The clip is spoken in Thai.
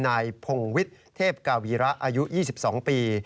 นายพงวิทย์เทพกาวีระอายุ๒๒ปี